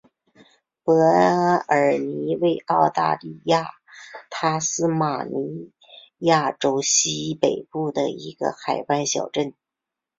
伯尔尼为澳大利亚塔斯马尼亚州西北部的一个海港小镇。